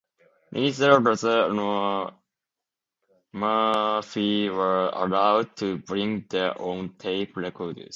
Neither Rather nor Murphy were allowed to bring their own tape recorders.